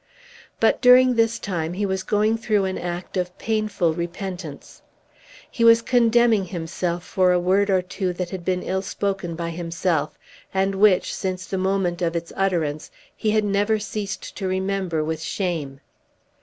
But during this time he was going through an act of painful repentance. He was condemning himself for a word or two that had been ill spoken by himself, and which, since the moment of its utterance, he had never ceased to remember with shame.